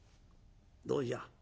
「どうじゃ？